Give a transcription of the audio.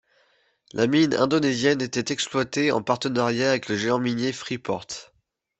La mine indonésienne était exploitée en partenariat avec le géant minier Freeport.